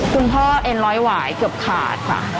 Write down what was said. คุณพ่อเอ็นร้อยหวายเกือบขาดค่ะ